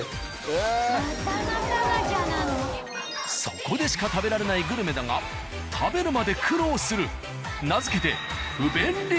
そこでしか食べられないグルメだが食べるまで苦労する名付けて不便利